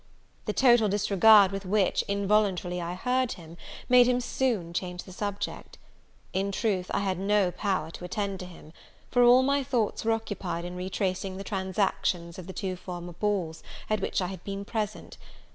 The total disregard with which, involuntarily, I heard him, made him soon change the subject. In truth, I had no power to attend to him; for all my thoughts were occupied in re tracing the transactions of the two former balls, at which I had been present.